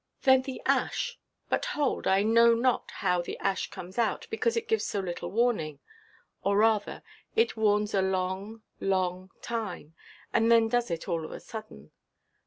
Then the ash—but hold, I know not how the ash comes out, because it gives so little warning; or rather, it warns a long, long time, and then does it all of a sudden.